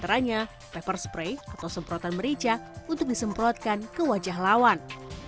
jadi ini menghadap ke depan sambil bokongan di dorong ke belakang